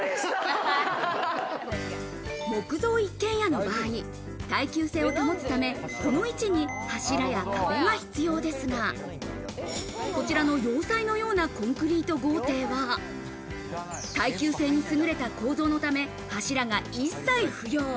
木造一軒家の場合、耐久性を保つため、この位置に柱や壁が必要ですが、こちらの要塞のようなコンクリート豪邸は、耐久性にすぐれた構造のため、柱が一切不要。